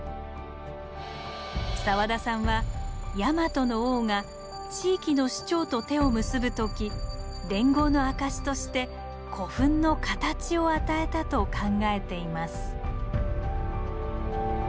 澤田さんはヤマトの王が地域の首長と手を結ぶ時連合の証しとして古墳の「形」を与えたと考えています。